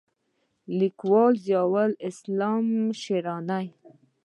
لیکوال: ضیاءالاسلام شېراني